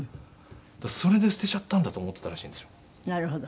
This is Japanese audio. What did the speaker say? それで捨てちゃったんだと思ってたらしいんですよ。